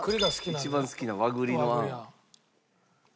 一番好きな和栗のあん。